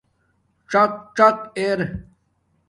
څݳق څݳق اِر